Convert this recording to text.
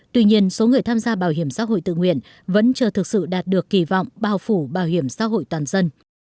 tuy nhiên số người tham gia bảo hiểm xã hội tự nguyện vẫn chưa thực sự đạt được kỳ vọng bao phủ bảo hiểm xã hội toàn dân